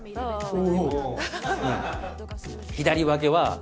お！